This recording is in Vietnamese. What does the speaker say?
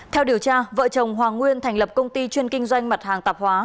theo điều tra vợ chồng hoàng nguyên thành lập công ty chuyên kinh doanh mặt hàng tạp hóa